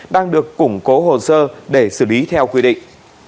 đang được củng cố hồ sơ để xử lý theo quy định